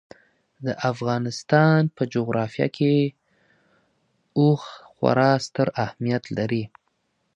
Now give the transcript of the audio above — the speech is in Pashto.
د افغانستان په جغرافیه کې اوښ خورا ستر اهمیت لري.